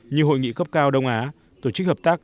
như hội nghị cấp cao đông á tổ chức hợp tác